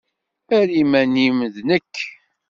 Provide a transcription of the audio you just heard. Err iman-nnem d nekk.